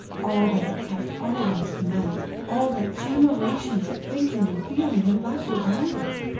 All that it had always meant all that generations of thinking and feeling had left around it.